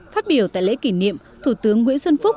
phát biểu tại lễ kỷ niệm thủ tướng nguyễn xuân phúc